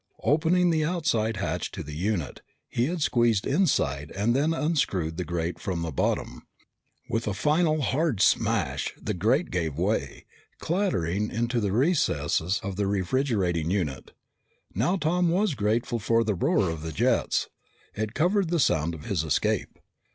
Opening the outside hatch to the unit, he had squeezed inside and then unscrewed the grate from the bottom. With a final hard smash, the grate gave way, clattering into the recesses of the refrigerating unit. Now Tom was grateful for the roar of the jets. It covered the sound of his escape.